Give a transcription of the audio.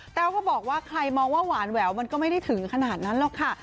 แววก็บอกว่าใครมองว่าหวานแหววมันก็ไม่ได้ถึงขนาดนั้นหรอกค่ะ